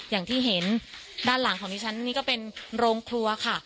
อย่างที่เห็นด้านหลังของดิฉันนี่ก็เป็นโรงครัวค่ะ